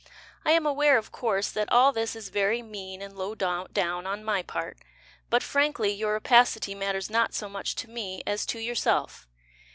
I am aware, of course, That all this is very mean And low down On my part, But frankly Your rapacity Matters not so much to me As to yourself.